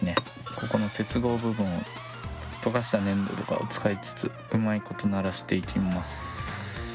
ここの接合部分を溶かした粘土とかを使いつつうまいことならしていきます。